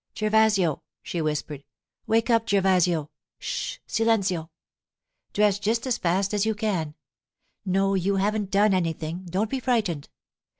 'Gervasio,' she whispered. 'Wake up, Gervasio. Sh—silenzio! Dress just as fast as you can. No, you haven't done anything; don't be frightened.